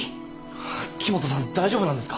木元さん大丈夫なんですか？